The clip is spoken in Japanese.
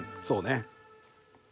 そうね。